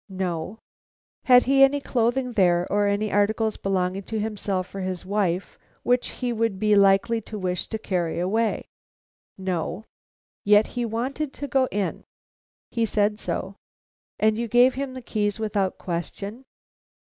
"No." "Had he any clothes there? or any articles belonging to himself or his wife which he would be likely to wish to carry away?" "No." "Yet he wanted to go in?" "He said so." "And you gave him the keys without question?"